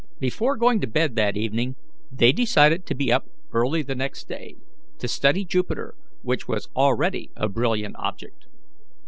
Before going to bed that evening they decided to be up early the next day, to study Jupiter, which was already a brilliant object.